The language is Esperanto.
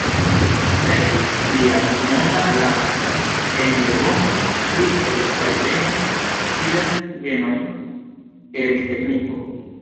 Sekvis plia tutmonda alarmo: en legomoj, fruktoj kaj grenoj sidas genoj el tekniko!